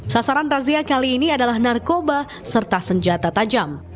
sasaran razia kali ini adalah narkoba serta senjata tajam